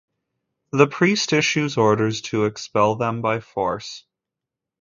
The priest issues orders to expel them by force.